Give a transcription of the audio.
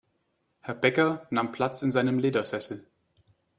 Herr Bäcker nahm Platz in seinem Ledersessel.